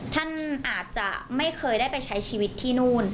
ท่านอาจจะไม่เคยได้ไปใช้ชีวิตที่นู่น